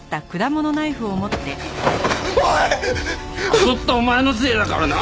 誘ったお前のせいだからな！